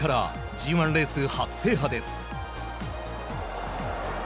Ｇ１レース初制覇です。